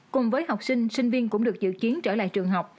cùng với học sinh sinh viên cũng được dự kiến trở lại trường học